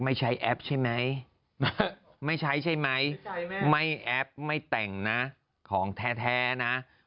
ไม่ใช้แอปใช่ไหมไม่ใช้ใช่ไหมไม่แอปไม่แต่งนะของแท้นะ